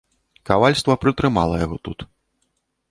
Кавальства прытрымала яго тут.